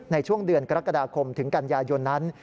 ในช่วงเดือนกรกฎาคมถึงกันยายนนั้น